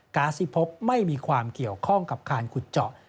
๊าซที่พบไม่มีความเกี่ยวข้องกับการขุดเจาะ